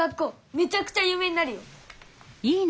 めちゃくちゃゆう名になるよ！